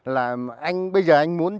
là anh bây giờ anh muốn